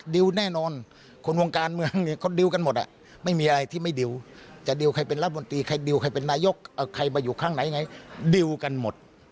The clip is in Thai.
ดูใครเป็นนายกใครมาอยู่ข้างไหนไงดิวกันหมด